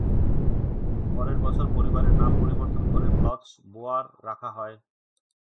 পরের বছর পরিবারের নাম পরিবর্তন করে ব্লচ-বোয়ার রাখা হয়।